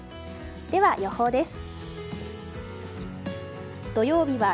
では予報です。